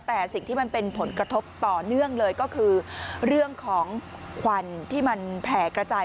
แต่สิ่งที่มันเป็นผลกระทบต่อเนื่องเลยก็คือเรื่องของควันที่มันแผ่กระจาย